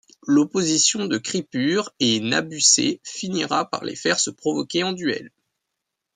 L'opposition de Cripure et Nabucet finira par les faire se provoquer en duel.